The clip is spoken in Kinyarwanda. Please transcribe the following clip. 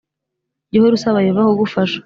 Jya uhora usaba Yehova kugufasha